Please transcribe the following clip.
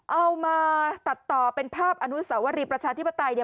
เอามาตัดต่อเป็นภาพอนุสาวรีประชาธิปไตย